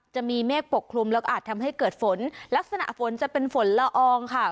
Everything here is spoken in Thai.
เมฆปกคลุมแล้วก็อาจทำให้เกิดฝนลักษณะฝนจะเป็นฝนละอองค่ะ